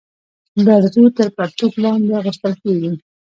برزو تر پرتوګ لاندي اغوستل کيږي.